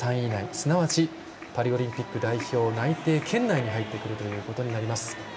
すなわちパリオリンピック代表内定圏内に入ってくるということになります。